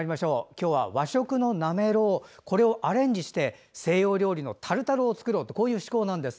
今日は和食のなめろうをアレンジして西洋料理のタルタルを作ろうという趣向なんです。